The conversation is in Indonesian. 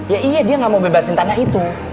ya iya dia nggak mau bebasin tanah itu